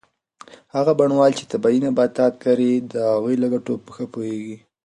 هغه بڼوال چې طبي نباتات کري د هغوی له ګټو په ښه پوهیږي.